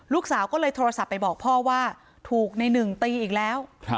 ลูกสาวก็เลยโทรศัพท์ไปบอกพ่อว่าถูกในหนึ่งตีอีกแล้ว